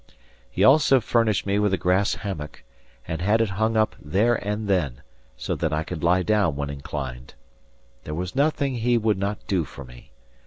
He also furnished me with a grass hammock, and had it hung up there and then, so that I could lie down when inclined. There was nothing he would not do for me.